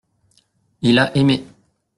Il a aimé.